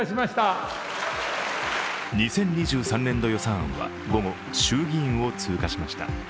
２０２３年度予算案は午後、衆議院を通過しました。